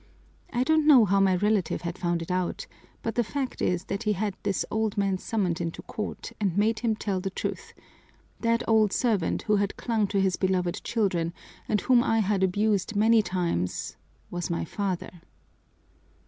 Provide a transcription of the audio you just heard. I don't know how my relative had found it out, but the fact is that he had this old man summoned into court and made him tell the truth: that old servant, who had clung to his beloved children, and whom I had abused many times, was my father!